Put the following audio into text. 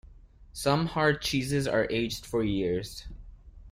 Some hard cheeses are aged for years.